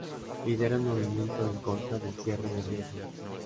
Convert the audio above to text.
Lidera el movimiento en contra del cierre de Río Azul.